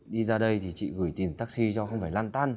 đi ra đây thì chị gửi tiền taxi cho không phải lăn tăn